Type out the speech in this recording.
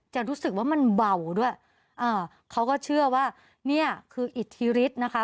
รู้สึกว่ามันเบาด้วยอ่าเขาก็เชื่อว่าเนี่ยคืออิทธิฤทธิ์นะคะ